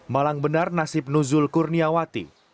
malang benar nasib nuzul kurniawati